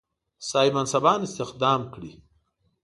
صاحب منصبان استخدام کړي.